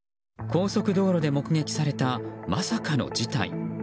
高速道路で目撃されたまさかの事態。